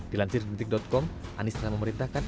di lansir com anies telah memerintahkan